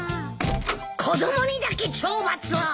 子供にだけ懲罰を。